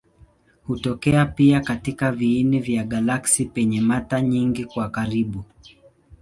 Hutokea pia katika viini vya galaksi penye mata nyingi kwa karibu.